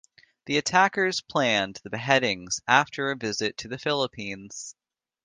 The attackers planned the beheadings after a visit to the Philippines.